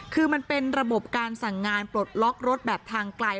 คือมันเป็นระบบการสั่งงานปลดล็อกรถแบบทางไกล